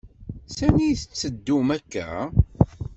Sani tetteddum akk-a?